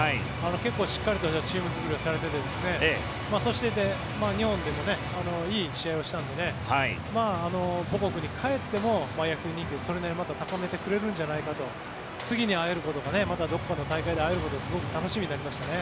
結構しっかりとしたチーム作りをされていてそして日本でもいい試合をしたので母国に帰っても野球の人気を高めてくれるんじゃないかと次に会えることがまたどこかの大会で会えることがすごく楽しみになりましたね。